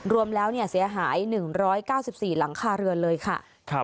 รวมแล้วเสียหาย๑๙๔หลังคาเรือนเลยค่ะ